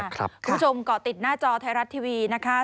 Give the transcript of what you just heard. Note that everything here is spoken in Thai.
คุณผู้ชมเกาะติดหน้าจอไทยรัฐทีวีนะคะ